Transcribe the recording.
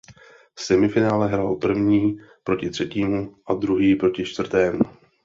V semifinále hrál první proti třetímu a druhý proti čtvrtému.